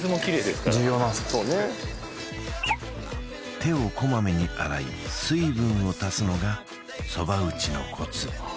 手をこまめに洗い水分を足すのが蕎麦打ちのコツあ